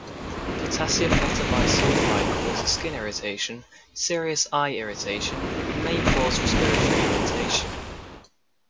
Potassium metabisulfite causes skin irritation, serious eye irritation, and may cause respiratory irritation.